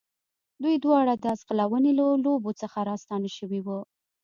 دوی دواړه د آس ځغلونې له لوبو څخه راستانه شوي وو.